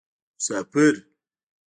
مسافر